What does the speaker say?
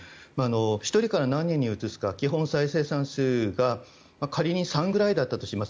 １人から何人にうつすか基本再生産数が仮に３ぐらいだったとします。